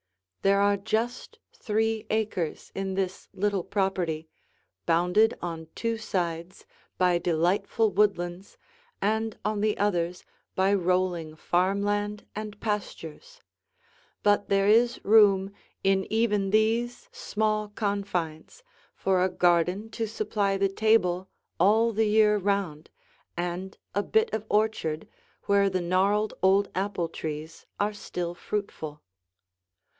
There are just three acres in this little property, bounded on two sides by delightful woodlands and on the others by rolling farmland and pastures; but there is room in even these small confines for a garden to supply the table all the year round and a bit of orchard where the gnarled old apple trees are still fruitful.